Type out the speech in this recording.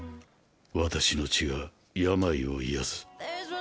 私の血は病を癒やす。